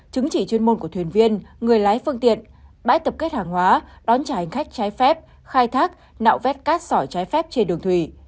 chứng chỉ chuyên môn của thuyền viên người lái phương tiện bãi tập kết hàng hóa đón trả hành khách trái phép khai thác nạo vét cát sỏi trái phép trên đường thủy